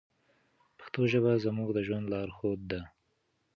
پښتو ژبه زموږ د ژوند لارښود ده.